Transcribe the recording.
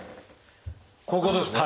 こういうことですね。